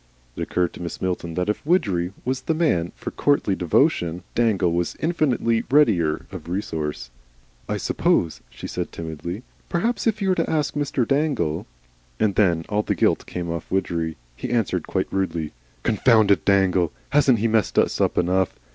It occurred to Mrs. Milton that if Widgery was the man for courtly devotion, Dangle was infinitely readier of resource. "I suppose " she said, timidly. "Perhaps if you were to ask Mr. Dangle " And then all the gilt came off Widgery. He answered quite rudely. "Confound Dangle! Hasn't he messed us up enough?